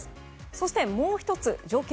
そしてもう１つ条件